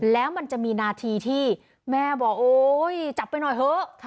แล้วมันจะมีนาทีที่แม่บอกโอ๊ยจับไปหน่อยเถอะ